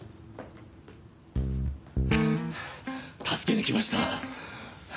助けに来ました！